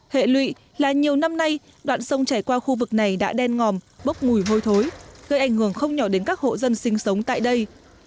hệ lụy là nhiều năm nay đoạn sông chảy qua khu vực này đã đen ngòm bốc mùi hôi thối gây ảnh hưởng không nhỏ đến các hộ dân sinh sống tại đây